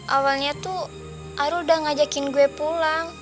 awalnya tuh aru udah ngajakin gue pulang